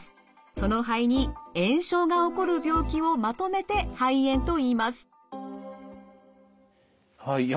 その肺に炎症が起こる病気をまとめて肺炎といいます。